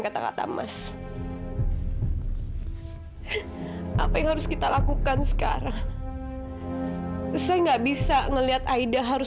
kata kata mas apa yang harus kita lakukan sekarang saya nggak bisa melihat aida harus